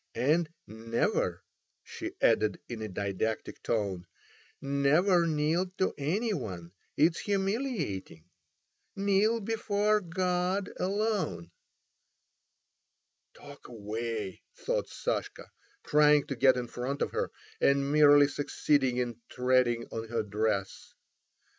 And never," she added in a didactic tone, "never kneel to any one: it is humiliating. Kneel before God alone." "Talk away!" thought Sashka, trying to get in front of her, and merely succeeding in treading on her dress.